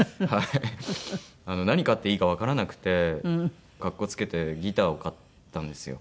何買っていいかわからなくて格好付けてギターを買ったんですよ。